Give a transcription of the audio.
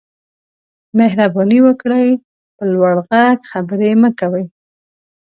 مهرباني وکړئ په لوړ غږ خبرې مه کوئ